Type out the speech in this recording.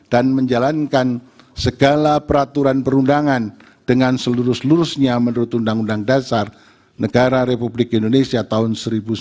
dan menjalankan segala peraturan perundangan dengan selurus lurusnya menurut undang undang dasar negara republik indonesia tahun seribu sembilan ratus empat puluh lima